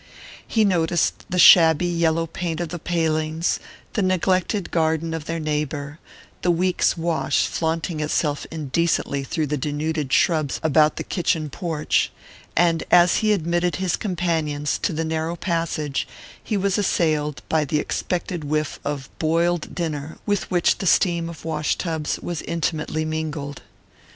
He noticed the shabby yellow paint of the palings, the neglected garden of their neighbour, the week's wash flaunting itself indecently through the denuded shrubs about the kitchen porch; and as he admitted his companions to the narrow passage he was assailed by the expected whiff of "boiled dinner," with which the steam of wash tubs was intimately mingled.